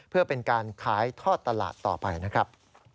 เพื่อเป็นการขายทอดตลาดต่อไปนะครับ